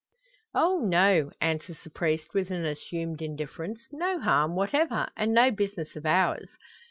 "Oh, no," answers the priest, with an assumed indifference; "no harm, whatever, and no business of ours.